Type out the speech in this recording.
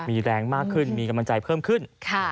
มีแรงมากขึ้นมีกำลังใจเพิ่มขึ้น